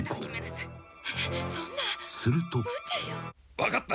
「分かった。